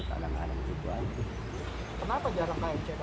kenapa jarang ke mck pak